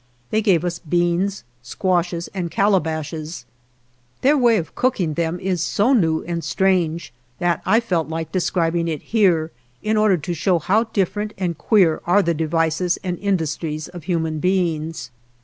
They gave us beans, squashes, 60 and calabashes. Their way of cooking them ""Original has "melones!' 153 THE JOURNEY OF is so new and strange that I felt like de scribing it here, in order to show how dif ferent and queer are the devices and indus tries of human beings.